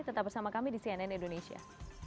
tetap bersama kami di cnn indonesia